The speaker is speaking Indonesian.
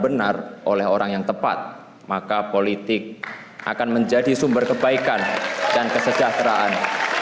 benar oleh orang yang tepat maka politik akan menjadi sumber kebaikan dan kesejahteraan